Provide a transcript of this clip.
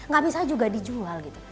nggak bisa juga dijual gitu